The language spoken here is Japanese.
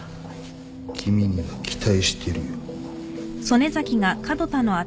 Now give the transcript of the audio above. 君には期待してるよ。